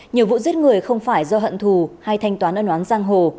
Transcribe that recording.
nhiều vụ giết người không phải do hận thù hay thanh toán ân oán giang hồ